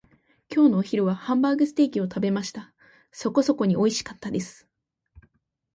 今日のお昼ご飯はハンバーグステーキを食べました。そこそこにおいしかったです。